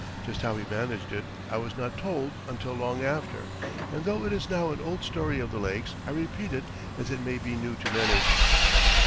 Just how he managed it I was not told until long after, and though it is now an old story of the lakes I repeat it as it may be new to many.